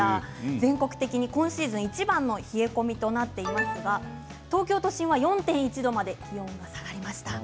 全国的に今シーズンいちばんの冷え込みとなっていますが東京都心は４．１度まで気温が下がりました。